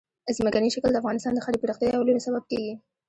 ځمکنی شکل د افغانستان د ښاري پراختیا یو لوی سبب کېږي.